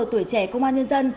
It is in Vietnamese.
tuổi trẻ công an nhân dân